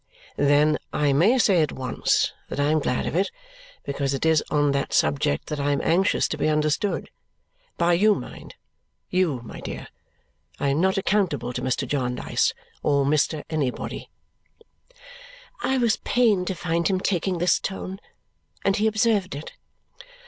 "Then I may say at once that I am glad of it, because it is on that subject that I am anxious to be understood. By you, mind you, my dear! I am not accountable to Mr. Jarndyce or Mr. Anybody." I was pained to find him taking this tone, and he observed it.